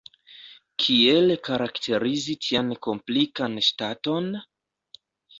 Kiel karakterizi tian komplikan ŝtaton?